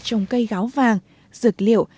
trồng cây gáo vàng rực liệu